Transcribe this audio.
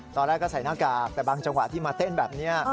ตอนแรกก็ใส่หน้ากากแต่บางจังหวะที่มาเต้นแบบนี้